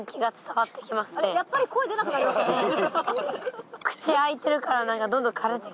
やっぱり声出なくなりましたね。